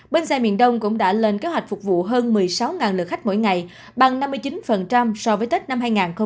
bến xe miền đông cũng đã lên kế hoạch phục vụ hơn một mươi sáu lượt khách mỗi ngày bằng năm mươi chín so với tết năm hai nghìn hai mươi